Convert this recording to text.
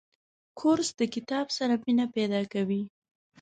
کورس د کتاب سره مینه پیدا کوي.